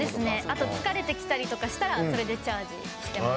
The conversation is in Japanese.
あと疲れてきたりとかしたらそれでチャージしてます。